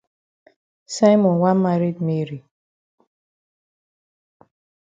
Simon wan maret Mary.